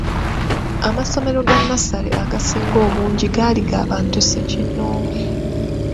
Amasomero ga nnassale agasinga obungi gaali g’abantu ssekinnoomu.